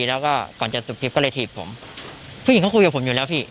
แล้วก็ก่อนจะตุบถีบก็เลยถีบผมผู้หญิงเขาคุยกับผมอยู่แล้วพี่